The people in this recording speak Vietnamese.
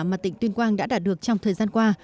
mà tỉnh tuyên quang đã đạt được trong thời gian qua